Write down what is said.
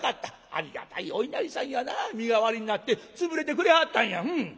ありがたいお稲荷さんやな身代わりになって潰れてくれはったんや。